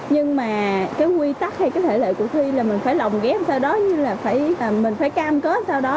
nhưng mà cái quy tắc hay cái thể lệ của thi là mình phải lồng ghép sau đó như là mình phải cam kết sau đó